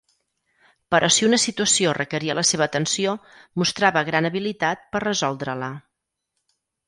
Però si una situació requeria la seva atenció, mostrava gran habilitat per resoldre-la.